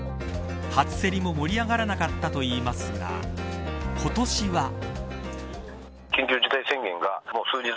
初競りも盛り上がらなかったといいますが今年は。